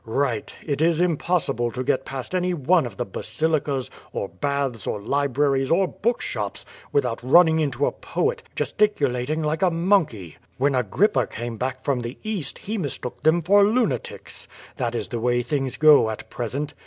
"Eight. It is impossible to get past any one of the basili cas, or baths, or libraries, or book shops, without running into a poet, gesticulating like a monkey. When Agrippa came back from the East, he mistook them for lunatics. That is the way things go at present.